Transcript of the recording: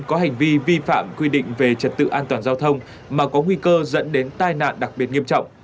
có hành vi vi phạm quy định về trật tự an toàn giao thông mà có nguy cơ dẫn đến tai nạn đặc biệt nghiêm trọng